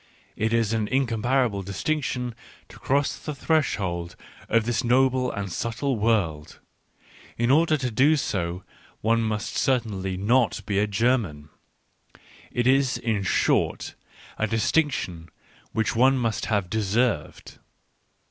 It is an incompar able distinction to cross the threshold of this noble and subtle world — in order to do so one must certainly not be a German ; it is, in short, a distinc tion which one must have deserved.